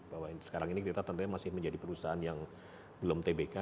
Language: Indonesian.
bahwa sekarang ini kita tentunya masih menjadi perusahaan yang belum tbk